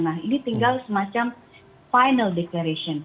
nah ini tinggal semacam final declaration